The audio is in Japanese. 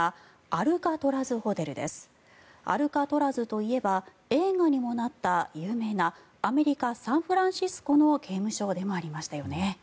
アルカトラズといえば映画にもなった有名なアメリカ・サンフランシスコの刑務所でもありましたよね。